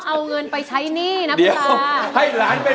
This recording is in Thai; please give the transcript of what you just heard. เมื่อกี้หนูแอบเห็นแว๊บ